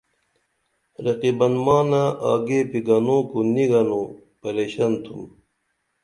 رقِبان مانہ آگیپی گنو کُو نی گنی پریشن تُھم